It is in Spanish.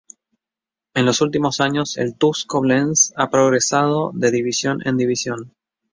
En los últimos años el "TuS Koblenz" ha progresado de división en división.